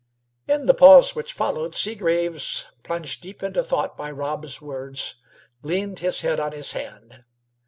In the pause which followed, Seagraves, plunged deep into thought by Rob's words, leaned his head on his hand.